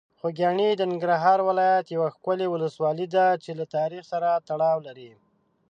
خوږیاڼي د ننګرهار ولایت یوه ښکلي ولسوالۍ ده چې له تاریخ سره تړاو لري.